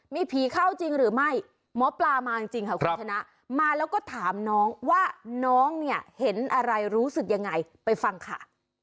มีผีเข้าจริงหรือไม่หมอปลามาจริงค่ะคุณชนะมาแล้วก็ถามน้องว่าน้องเนี่ยเห็นอะไรรู้สึกยังไงไปฟังค่ะ